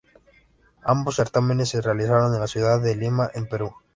Ambos certámenes se realizaron en la ciudad de Lima en Perú.